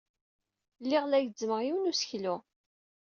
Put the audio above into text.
Lliɣ la gezzmeɣ yiwen n useklu.